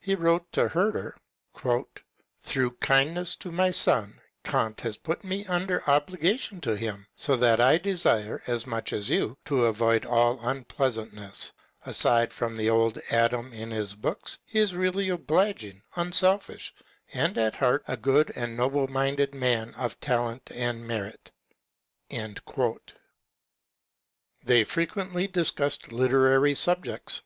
He wrote to Herder, Through kindness to my son, Eant has put me under obligation to him, so that I desire, as much as you, to avoid all unpleasantness. Aside from the old Adam in his books, he is really obliging, unselfish, and at heart a good and noble ^ 204 THK LIFE OF IHHANUEL KANT. mindod man of talent and of merit." They frequently discussed literary subjects.